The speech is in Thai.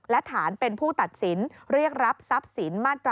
และฐานเป็นผู้ตัดสินเรียกรับทรัพย์สินมาตรา๑